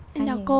xin chào cô